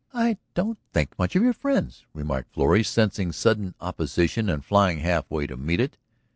"I don't think much of your friends," remarked Florrie, sensing sudden opposition and flying half way to meet it.